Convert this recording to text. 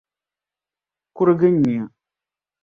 kurigi nyuya.